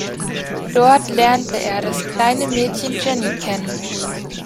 Dort lernt er das kleine Mädchen Jenny kennen.